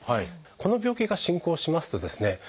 この病気が進行しますとですね